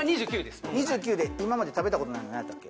２９で今まで食べたことないの何やったっけ？